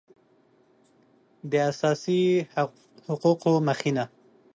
د اساسي حقوقو مخینه